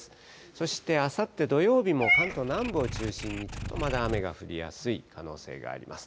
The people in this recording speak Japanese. そしてあさって土曜日も関東南部を中心にちょっとまだ雨が降りやすい可能性があります。